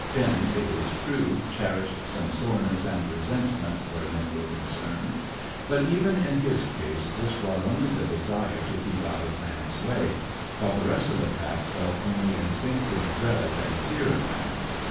Finn, it is true, cherished some soreness and resentment where men were concerned; but even in his case this brought only the desire to keep out of man's way; while the rest of the pack felt only instinctive dread and fear of man.